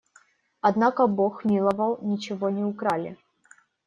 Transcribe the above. Однако бог миловал – ничего не украли.